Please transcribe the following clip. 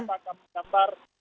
ada beberapa gambar